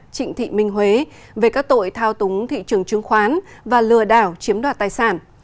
trịnh thị minh huế về các tội thao túng thị trường chứng khoán và lừa đảo chiếm đoạt tài sản